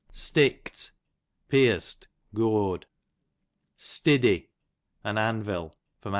Stickt, pierced, gored. Stiddy, an anvil. A.